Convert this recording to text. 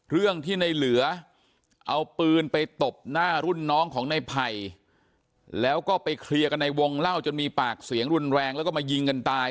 เรื่องที่ในเหลือเอาปืนไปตบหน้ารุ่นน้องของในไผ่แล้วก็ไปเคลียร์กันในวงเล่าจนมีปากเสียงรุนแรงแล้วก็มายิงกันตาย